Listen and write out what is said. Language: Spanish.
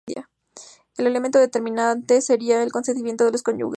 El elemento determinante sería el consentimiento de los cónyuges.